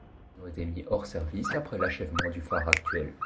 Ils ont été mis hors service après l'achèvement du phare actuel.